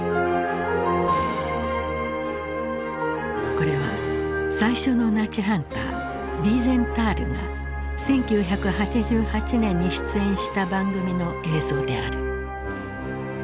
これは最初のナチハンターヴィーゼンタールが１９８８年に出演した番組の映像である。